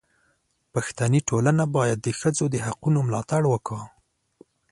پښتني ټولنه باید د ښځو د حقونو ملاتړ وکړي.